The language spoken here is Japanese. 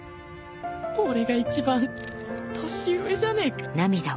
俺が一番年上じゃねえか。